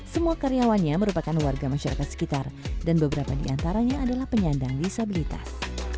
semua karyawannya merupakan warga masyarakat sekitar dan beberapa di antaranya adalah penyandang disabilitas